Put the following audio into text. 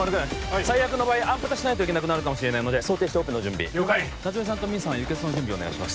最悪の場合アンプタしないといけなくなるかもしれないので想定してオペの準備了解夏梅さんとミンさんは輸血の準備お願いします